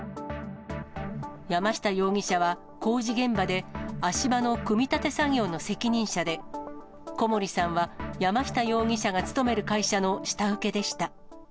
山下容疑者は、工事現場で足場の組み立て作業の責任者で、小森さんは山下容疑者が勤める会社の下請けでした。